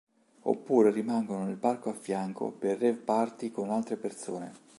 Oppure rimangono nel parco a fianco per rave party con altre persone.